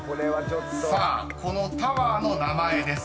［さあこのタワーの名前です］